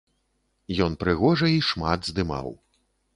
Ён прыгожа і шмат здымаў.